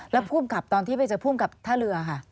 แล้วผู้บังกับตอนที่ไปเจอผู้บังกับท่าเรือค่ะ